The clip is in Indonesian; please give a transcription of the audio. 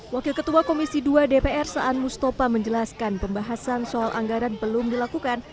wakil ketua komisi dua dpr saan mustopa menjelaskan pembahasan soal anggaran belum dilakukan